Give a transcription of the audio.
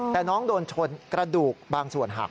แต่น้องโดนชนกระดูกบางส่วนหัก